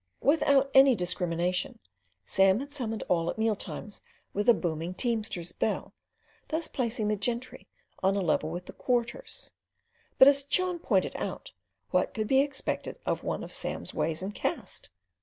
Without any discrimination, Sam had summoned all at meal times with a booming teamster's bell, thus placing the gentry on a level with the Quarters; but as Cheon pointed out, what could be expected of one of Sam's ways and caste?